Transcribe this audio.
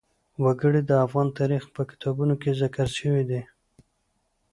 وګړي د افغان تاریخ په کتابونو کې ذکر شوی دي.